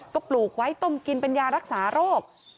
ก็ปลูกไว้ต้มกินเป็นยารักษาโรค